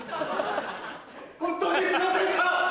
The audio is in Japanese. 本当にすみませんでした！